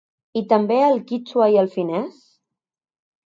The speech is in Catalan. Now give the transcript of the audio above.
I també el quítxua i el finès?